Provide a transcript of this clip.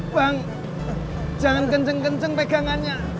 bang jangan kenceng kenceng pegangannya